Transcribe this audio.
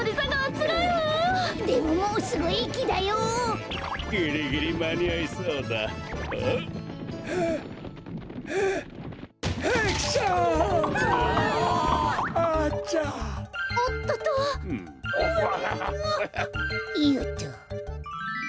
いよっと！